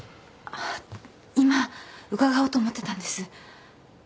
あっ今伺おうと思ってたんです。